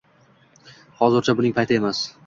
Hozircha buning payti emas.